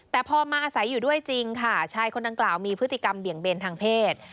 แต่พอมาอาศัยอยู่ด้วยจริงค่ะชายคนดังกล่าวมีพฤติกรรมเบี่ยงเบนทางเพศ